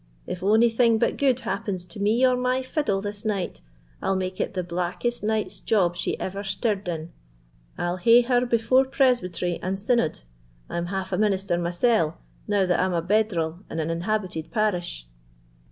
If ony thing but gude happens to me or my fiddle this night, I'll make it the blackest night's job she ever stirred in. I'll hae her before presbytery and synod: I'm half a minister mysell, now that I'm a bedral in an inhabited parish."